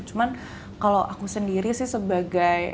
cuman kalau aku sendiri sih sebagai